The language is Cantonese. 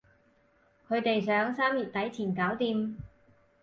佢哋想三月底前搞掂